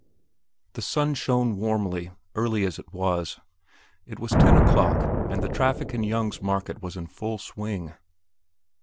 The sun shone warmly, early as it was. It was ten o'clock, and the traffic in Young's Market was in full swing.